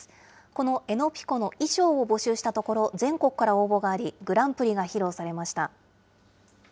この江のピコの衣装を募集したところ、全国から応募があり、グランプリが披露されました。